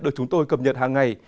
được chúng tôi cập nhật hàng ngày